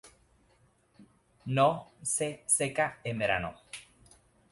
No se seca en verano.